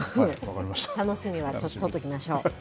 楽しみは取っておきましょう。